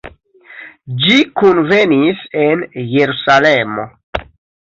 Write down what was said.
Ĝi kunvenis en Jerusalemo.